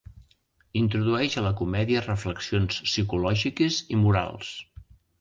Introdueix a la comèdia reflexions psicològiques i morals.